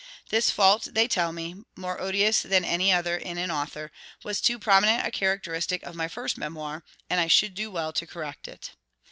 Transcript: This fault, they tell me, more odious than any other in an author, was too prominent a characteristic of my First Memoir, and I should do well to correct it.